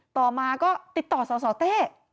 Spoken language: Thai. ต่อมาก็ติดต่อสสเต้